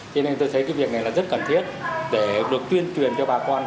cho nên tôi thấy cái việc này là rất cần thiết để được tuyên truyền cho bà con